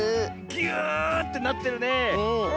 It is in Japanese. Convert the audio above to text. ぎゅってなってるねえ。